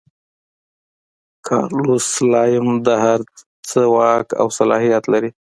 کارلوس سلایم د هر څه واک او صلاحیت لري.